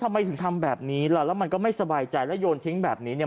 ทำไมถึงทำแบบนี้ล่ะแล้วมันก็ไม่สบายใจแล้วโยนทิ้งแบบนี้เนี่ย